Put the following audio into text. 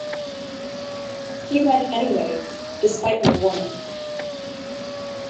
He went anyway, despite my warning.